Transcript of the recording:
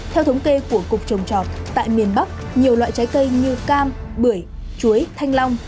theo thống kê của cục trồng trọt tại miền bắc nhiều loại trái cây như cam bưởi chuối thanh long